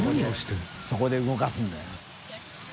そこで動かすんだよ。